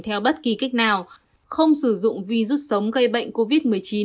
theo bất kỳ cách nào không sử dụng virus sống gây bệnh covid một mươi chín